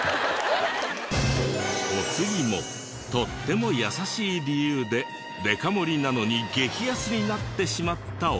お次もとっても優しい理由でデカ盛りなのに激安になってしまったお店が。